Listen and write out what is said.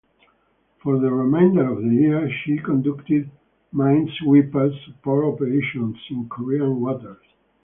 For the remainder of the year, she conducted minesweeper support operations in Korean waters.